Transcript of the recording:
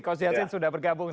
coach jacin sudah bergabung